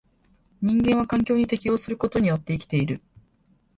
人間は環境に適応することによって生きている。